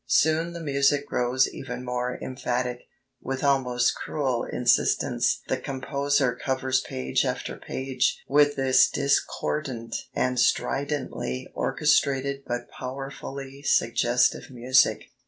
Soon the music grows even more emphatic.... With almost cruel insistence the composer covers page after page with this discordant and stridently orchestrated but powerfully suggestive music.